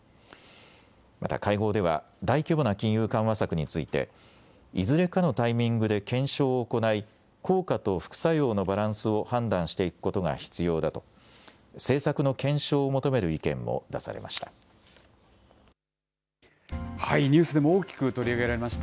また会合では、大規模な金融緩和策について、いずれかのタイミングで検証を行い、効果と副作用のバランスを判断していくことが必要だと、政策の検証を求める意見も出されました。